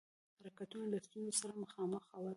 حرکتونه له ستونزو سره مخامخ ول.